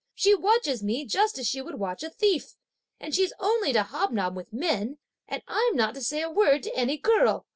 She watches me just as she would watch a thief! and she's only to hobnob with men, and I'm not to say a word to any girl!